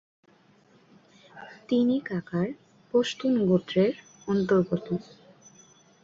তিনি কাকার পশতুন গোত্রের অন্তর্গত।